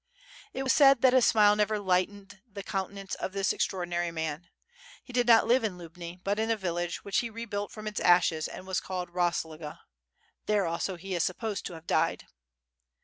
It was said that a smile never lighted the countenance of this extraordinary man. He did not live in Lubni but in a village which he rebuilt from its ashes, and was called Rosloga. There also he is supposed to have died.